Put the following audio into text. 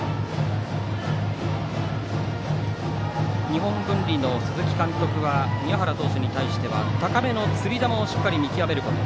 日本文理の鈴木監督は宮原投手に対しては高めのつり球をしっかり見極めること。